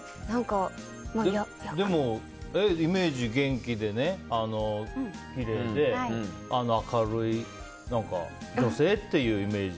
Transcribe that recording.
でも、イメージ元気でね、きれいで明るい女性っていうイメージ。